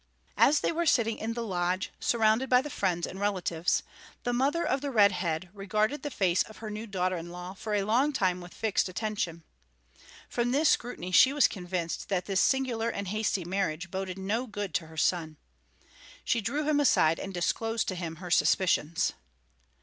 As they were sitting in the lodge, surrounded by the friends and relatives, the mother of the Red Head regarded the face of her new daughter in law for a long time with fixed attention. From this scrutiny she was convinced that this singular and hasty marriage boded no good to her son. She drew him aside, and disclosed to him her suspicions.